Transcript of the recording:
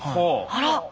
あら。